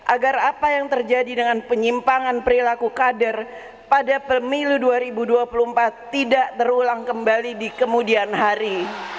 agar apa yang terjadi dengan penyimpangan perilaku kader pada pemilu dua ribu dua puluh empat tidak terulang kembali di kemudian hari